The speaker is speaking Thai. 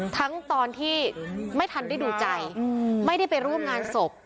ทั้งตอนที่ไม่ทันได้ดูใจไม่ได้ไปร่วมงานศพ